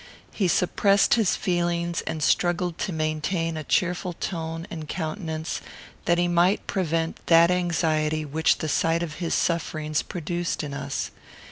He suppressed his feelings and struggled to maintain a cheerful tone and countenance, that he might prevent that anxiety which the sight of his sufferings produced in us.